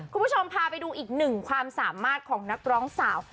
คุณผู้ชมพาไปดูอีกหนึ่งความสามารถของนักร้องสาว